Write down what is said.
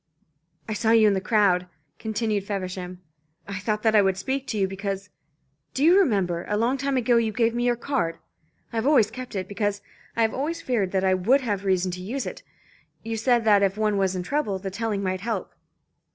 "I saw you in the crowd," continued Feversham. "I thought that I would speak to you, because do you remember, a long time ago you gave me your card? I have always kept it, because I have always feared that I would have reason to use it. You said that if one was in trouble, the telling might help."